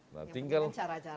nah tinggal cara cara